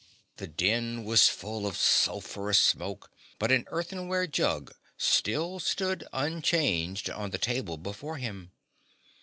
The den was full of sulphurous smoke, but the earthenware jug still stood unchanged on the table before him.